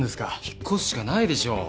引っ越すしかないでしょう。